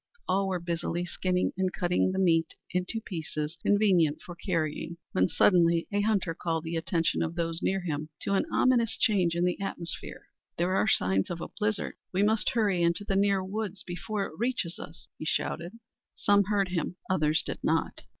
All were busily skinning and cutting up the meat into pieces convenient for carrying, when suddenly a hunter called the attention of those near him to an ominous change in the atmosphere. "There are signs of a blizzard! We must hurry into the near woods before it reaches us!" he shouted. Some heard him; others did not.